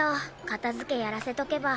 片付けやらせとけば。